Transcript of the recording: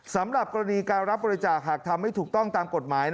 สำหรับกรณีการรับบริจาคหากทำไม่ถูกต้องตามกฎหมาย